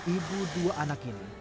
ibu dua anak ini